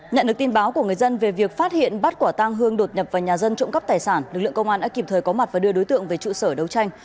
nhận được tin báo của người dân về việc phát hiện bắt quả tang hương đột nhập vào nhà dân trộm cắp tài sản lực lượng công an đã kịp thời có mặt và đưa đối tượng về trụ sở đấu tranh